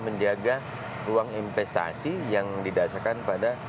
menjaga ruang investasi yang didasarkan pada